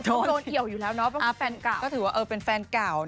ต้องโดนเกี่ยวอยู่แล้วเนอะเพราะว่าเป็นแฟนเก่า